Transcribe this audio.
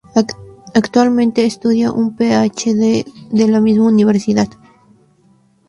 Actualmente estudia un PhD de la misma Universidad.